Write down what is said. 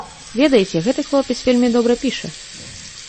Ведаеце, гэты хлопец вельмі добра піша.